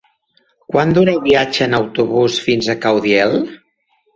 Quant dura el viatge en autobús fins a Caudiel?